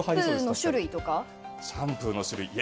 シャンプーの種類とか？